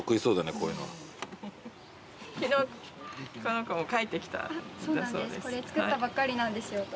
これ作ったばっかりなんです私。